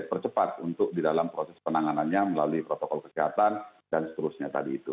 dipercepat untuk di dalam proses penanganannya melalui protokol kesehatan dan seterusnya tadi itu